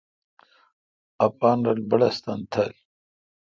اپان رل بّڑّستن تھل۔